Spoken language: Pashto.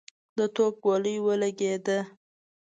د توپ ګولۍ ولګېده.